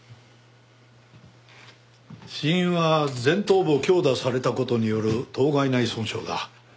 死因は前頭部を強打された事による頭蓋内損傷だ。